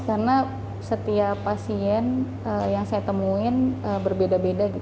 karena setiap pasien yang saya temuin berbeda beda